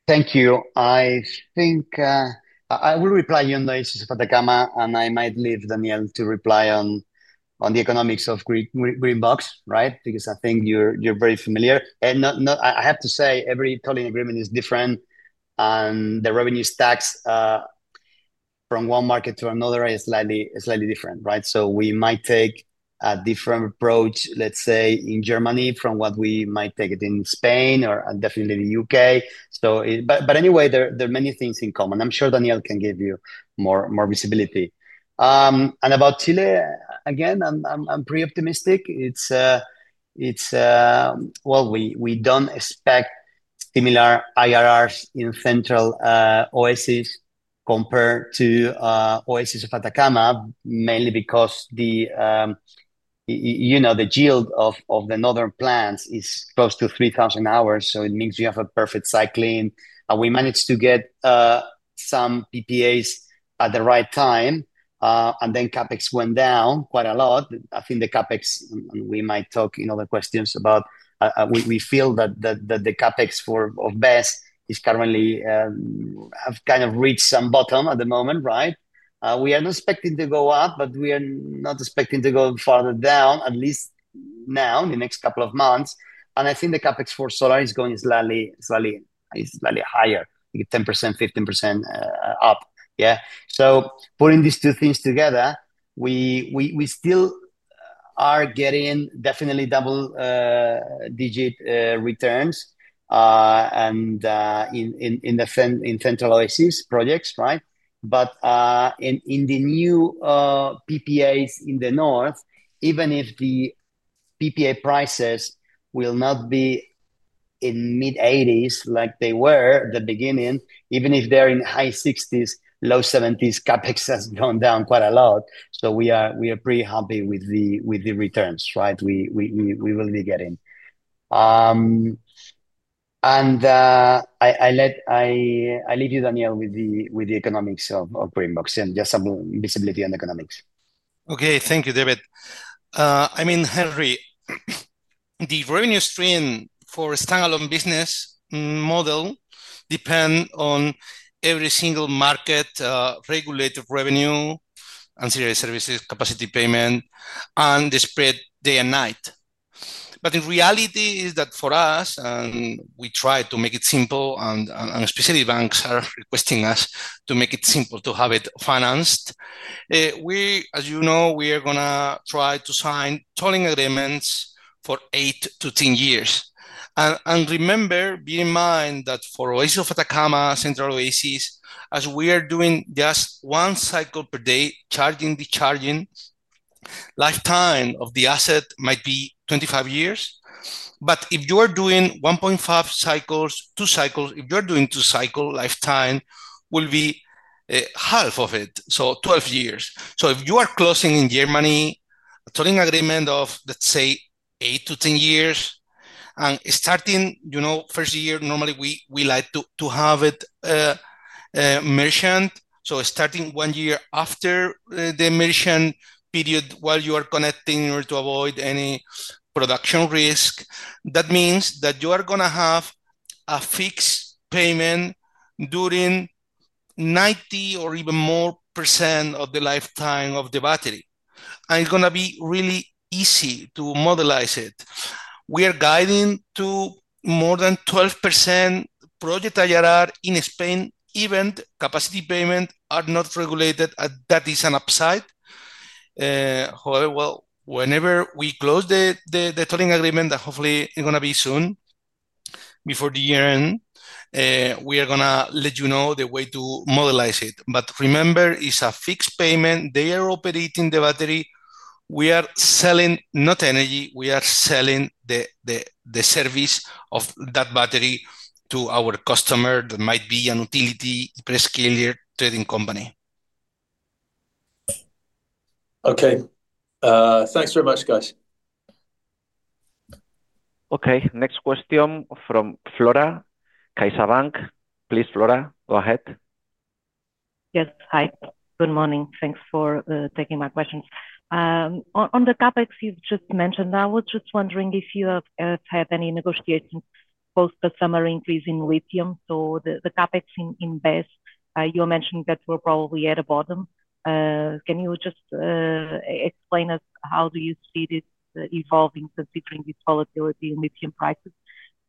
Thank you. I think I will reply here on the basis of Atacama, and I might leave Daniel to reply on the economics of Greenbox, right? Because I think you're very familiar. I have to say, every tolling agreement is different, and the revenue stacks from one market to another are slightly different, right? We might take a different approach, let's say, in Germany from what we might take in Spain or definitely the UK. Anyway, there are many things in common. I'm sure Daniel can give you more visibility. About Chile, again, I'm pretty optimistic. We don't expect similar IRRs in Central Oasis compared to Oasis of Atacama, mainly because the yield of the northern plants is close to 3,000 hours. It means you have a perfect cycling, and we managed to get some PPAs at the right time. CapEx went down quite a lot. I think the CapEx, and we might talk in other questions about, we feel that the CapEx for BES is currently kind of reached some bottom at the moment, right? We are not expecting to go up, but we are not expecting to go farther down, at least now in the next couple of months. I think the CapEx for solar is going slightly higher, 10% to 15% up. Yeah. Putting these two things together, we still are getting definitely double-digit returns in the Central Oasis projects, right? In the new PPAs in the north, even if the PPA prices will not be in mid-80s like they were at the beginning, even if they're in high 60s, low 70s, CapEx has gone down quite a lot. We are pretty happy with the returns, right? We will be getting. I leave you, Daniel, with the economics of Greenbox, and just some visibility on the economics. Okay, thank you, David. I mean, Henry, the revenue stream for a standalone business model depends on every single market, regulated revenue, ancillary services, capacity payment, and the spread day and night. The reality is that for us, and we try to make it simple, especially banks are requesting us to make it simple to have it financed. We, as you know, we are going to try to sign tolling agreements for 8 to 10 years. Remember, be in mind that for Oasis of Atacama, Central Oasis, as we are doing just one cycle per day, charging, discharging, lifetime of the asset might be 25 years. If you are doing 1.5 cycles, two cycles, if you are doing two cycles, lifetime will be half of it, so 12 years. If you are closing in Germany, a tolling agreement of, let's say, 8 to 10 years, and starting, you know, first year, normally we like to have it merchant. Starting one year after the merchant period while you are connecting in order to avoid any production risk, that means that you are going to have a fixed payment during 90% or even more of the lifetime of the battery. It's going to be really easy to modelize it. We are guiding to more than 12% project IRR in Spain, even capacity payments are not regulated. That is an upside. Whenever we close the tolling agreement, that hopefully is going to be soon, before the year-end, we are going to let you know the way to modelize it. Remember, it's a fixed payment. They are operating the battery. We are selling not energy. We are selling the service of that battery to our customer that might be a utility, prescalier trading company. Okay, thanks very much, guys. Okay. Next question from Flora, Kaisa Bank. Please, Flora, go ahead. Yes, hi. Good morning. Thanks for taking my questions. On the CapEx you've just mentioned, I was just wondering if you have had any negotiations post-customer increase in lithium. The CapEx in BES, you mentioned that we're probably at a bottom. Can you just explain to us how you see this evolving considering this volatility in lithium prices?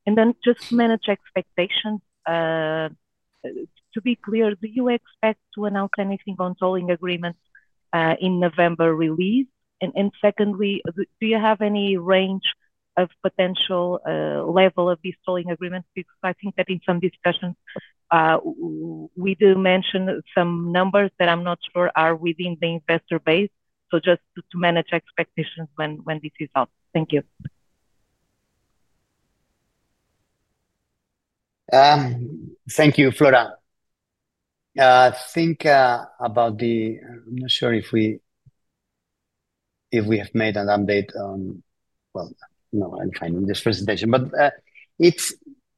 To manage expectations, to be clear, do you expect to announce anything on tolling agreements in November release? Secondly, do you have any range of potential level of these tolling agreements? I think that in some discussions, we do mention some numbers that I'm not sure are within the investor base. Just to manage expectations when this is up. Thank you. Thank you, Flora. I think about the, I'm not sure if we have made an update on, I'm fine with this presentation.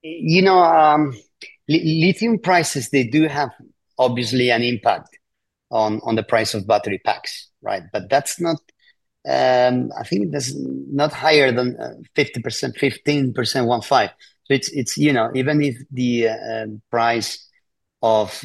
You know, lithium prices, they do have obviously an impact on the price of battery packs, right? That's not, I think it's not higher than 50%, 15%, 1%. Even if the price of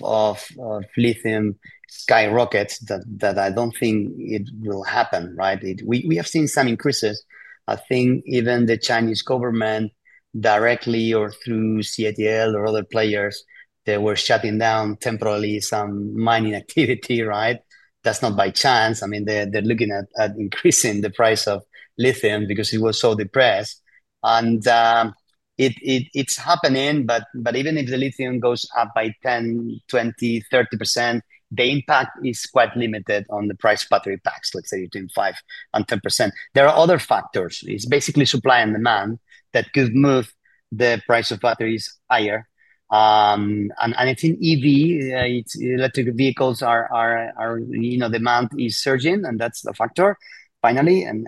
lithium skyrockets, I don't think it will happen, right? We have seen some increases. I think even the Chinese government directly or through CATL or other players, they were shutting down temporarily some mining activity, right? That's not by chance. I mean, they're looking at increasing the price of lithium because it was so depressed. It's happening, but even if the lithium goes up by 10%, 20%, 30%, the impact is quite limited on the price of battery packs. Let's say between 5% and 10%. There are other factors. It's basically supply and demand that could move the price of batteries higher. I think EV, electric vehicles, the demand is surging, and that's a factor. Finally, and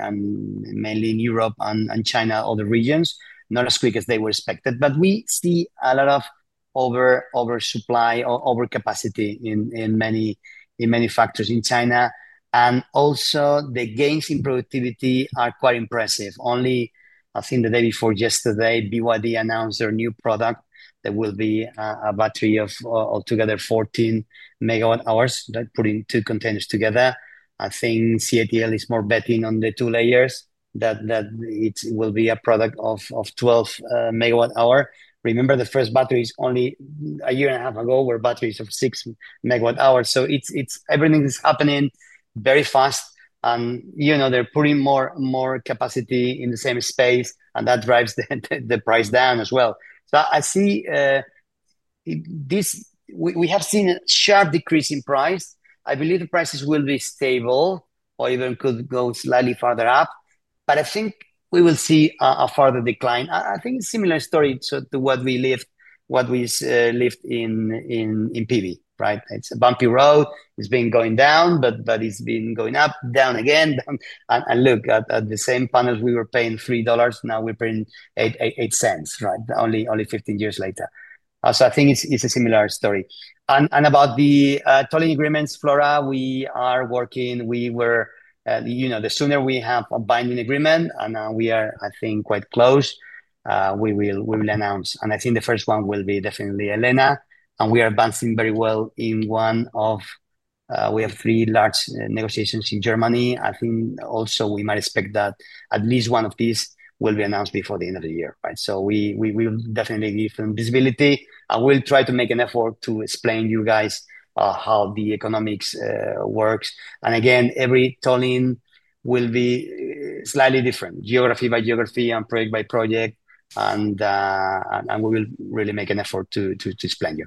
mainly in Europe and China, other regions, not as quick as they were expected, but we see a lot of oversupply or overcapacity in many factors in China. Also, the gains in productivity are quite impressive. Only, I think the day before yesterday, BYD announced their new product that will be a battery of altogether 14 megawatt hours, like putting two containers together. I think CATL is more betting on the two layers, that it will be a product of 12 megawatt hours. Remember, the first battery is only a year and a half ago were batteries of six megawatt hours. Everything is happening very fast. They're putting more and more capacity in the same space, and that drives the price down as well. We have seen a sharp decrease in price. I believe the prices will be stable or even could go slightly farther up. I think we will see a farther decline. I think it's a similar story to what we lived in PV, right? It's a bumpy road. It's been going down, but it's been going up, down again. Look, at the same panels, we were paying $3. Now we're paying $0.08, right? Only 15 years later. I think it's a similar story. About the tolling agreements, Flora, we are working, the sooner we have a binding agreement, and we are, I think, quite close, we will announce. I think the first one will be definitely Elena. We are advancing very well in one of, we have three large negotiations in Germany. I think also we might expect that at least one of these will be announced before the end of the year, right? We will definitely give them visibility. I will try to make an effort to explain to you guys how the economics works. Again, every tolling will be slightly different, geography by geography and project by project. We will really make an effort to explain you.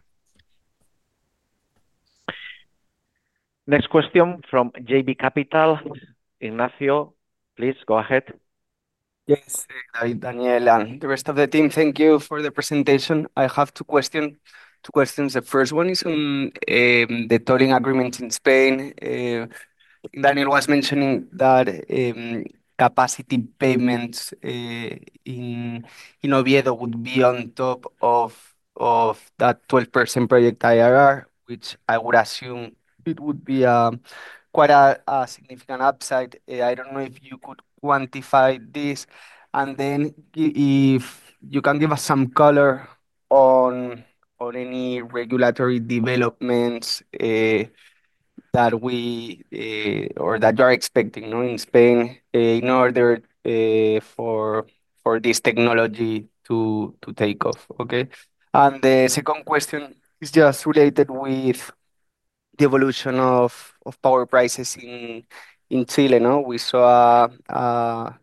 Next question from JB Capital. Ignacio, please go ahead. Yes, Daniel and the rest of the team, thank you for the presentation. I have two questions. The first one is on the tolling agreement in Spain. Daniel was mentioning that capacity payments in Oviedo would be on top of that 12% project IRR, which I would assume would be quite a significant upside. I don't know if you could quantify this. If you can give us some color on any regulatory developments that we or that you are expecting in Spain in order for this technology to take off. The second question is just related with the evolution of power prices in Chile. We saw a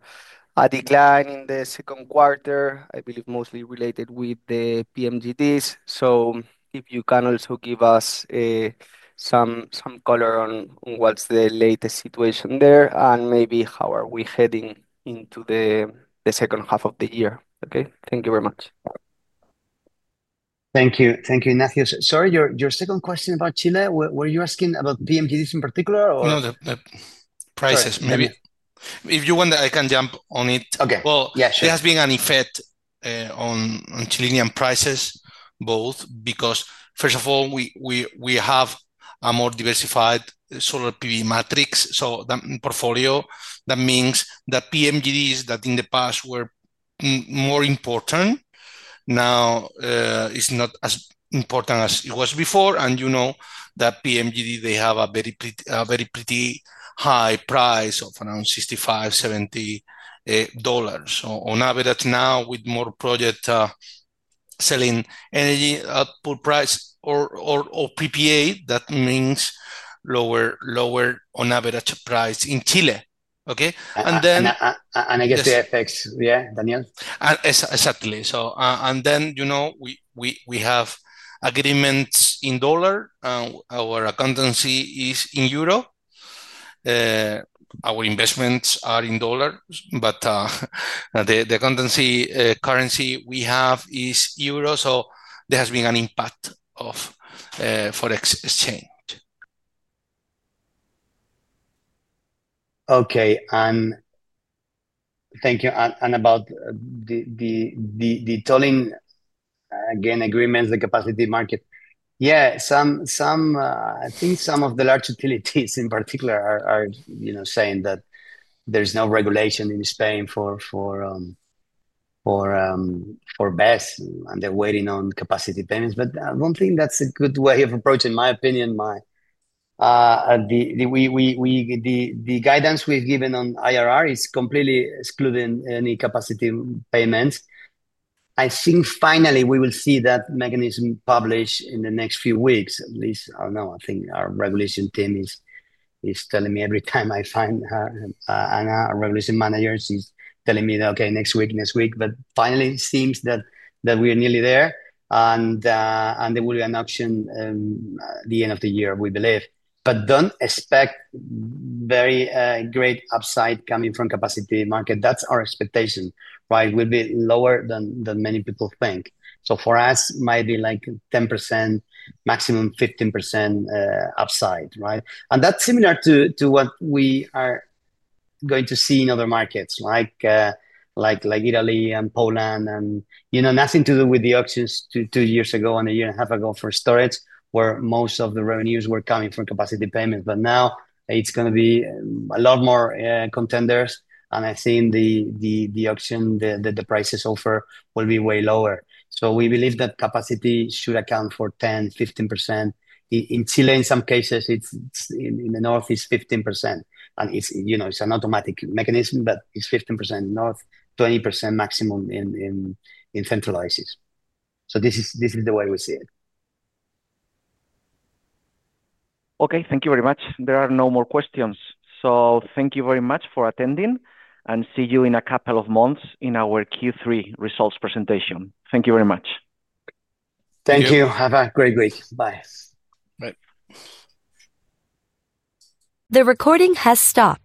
decline in the second quarter, I believe mostly related with the PMGDs. If you can also give us some color on what's the latest situation there and maybe how are we heading into the second half of the year. Thank you very much. Thank you. Thank you, Ignacio. Sorry, your second question about Chile, were you asking about PMGDs in particular? No, the prices. Maybe if you want, I can jump on it. Okay. There has been an effect on Chilean prices, both because, first of all, we have a more diversified solar PV matrix. That portfolio means that PMGDs that in the past were more important, now it's not as important as it was before. You know that PMGD, they have a pretty high price of around $65, $70 on average. Now, with more projects selling energy output price or PPA, that means lower on average price in Chile. I guess the FX, yeah, Daniel? Exactly. You know we have agreements in dollar and our accountancy is in euro. Our investments are in dollars, but the accountancy currency we have is euro. There has been an impact of forex exchange. Okay. Thank you. About the tolling agreements, the capacity market, I think some of the large utilities in particular are saying that there's no regulation in Spain for BES and they're waiting on capacity payments. I don't think that's a good way of approaching, in my opinion. The guidance we've given on IRR is completely excluding any capacity payments. I think finally we will see that mechanism published in the next few weeks. At least, I don't know, I think our regulation team is telling me every time I find her, and our regulation manager, she's telling me that, okay, next week, next week. Finally, it seems that we're nearly there. There will be an option at the end of the year, we believe. Don't expect very great upside coming from capacity. That's Our expectation, right? We'll be lower than many people think. For us, it might be like 10%, maximum 15% upside, right? That's similar to what we are going to see in other markets like Italy and Poland, and nothing to do with the auctions two years ago and a year and a half ago for storage where most of the revenues were coming from capacity payments. Now it's going to be a lot more contenders. I think the auction, the prices offered will be way lower. We believe that capacity should account for 10%, 15%. In Chile, in some cases, it's in the north, it's 15%. It's an automatic mechanism, but it's 15% north, 20% maximum in centralized. This is the way we see it. Okay, thank you very much. There are no more questions. Thank you very much for attending, and see you in a couple of months in our Q3 results presentation. Thank you very much. Thank you. Have a great week. Bye. The recording has stopped.